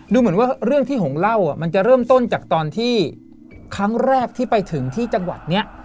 ดูเหมือนว่าเรื่องที่หงเล่ามันจะเริ่มต้นจากตอนที่ครั้งแรกที่ไปถึงที่จังหวัดนี้